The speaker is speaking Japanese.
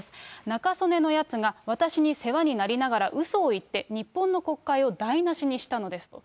中曽根のやつが私に世話になりながらうそを言って、日本の国会を台無しにしたのですと。